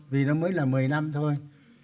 vì nó mới là một mươi năm thôi